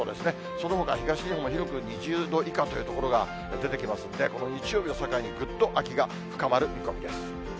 そのほか東日本も広く２０度以下という所が出てきますんで、この日曜日を境に、ぐっと秋が深まる見込みです。